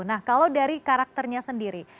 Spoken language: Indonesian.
nah kalau dari karakternya sendiri